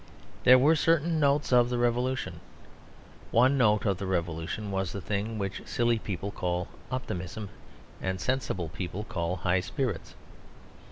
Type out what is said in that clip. There were certain "notes" of the Revolution. One note of the Revolution was the thing which silly people call optimism, and sensible people call high spirits.